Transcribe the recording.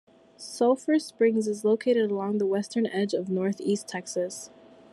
Sulphur Springs is located along the western edge of Northeast Texas.